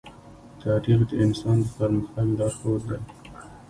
تاریخ د انسان د پرمختګ لارښود دی.